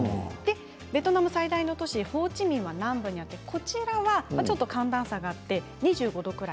ベトナム最大の都市ホーチミンが南部にあってこちらはちょっと寒暖差があって２５度ぐらい。